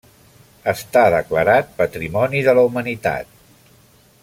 Està declarat patrimoni de la humanitat.